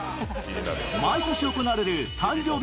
毎年行われる誕生日